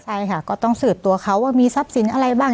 ใช่ค่ะก็ต้องสืบตัวเขาว่ามีทรัพย์สินอะไรบ้าง